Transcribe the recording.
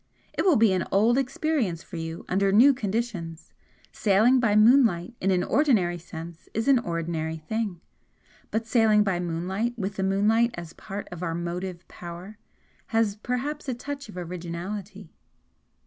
"It will be an old experience for you under new conditions. Sailing by moonlight in an ordinary sense is an ordinary thing, but sailing by moonlight with the moonlight as part of our motive power has perhaps a touch of originality."